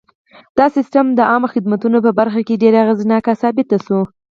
دا سیستم د عامه خدمتونو په برخه کې ډېر اغېزناک ثابت شو.